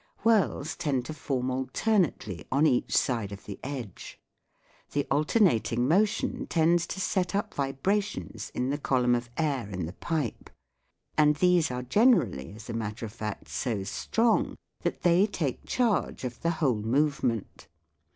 Whirls tend to form alternately on each side of the edge. The alternating motion tends to set up vibrations in the column of air in the pipe ; and these are generally, as a matter of fact, so strong that they take charge of the whole movement.